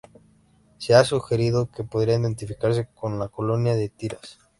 Se ha sugerido que podría identificarse con la colonia de Tiras.